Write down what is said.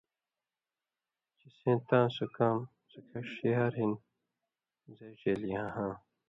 چےۡ سېں تاں سو کام سُکھیݜیاری ہن زئ ڇېلیاہاں